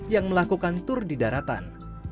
yang melakukan tur di daratan